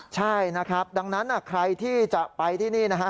ใช่นะครับดังนั้นใครที่จะไปที่นี่นะฮะ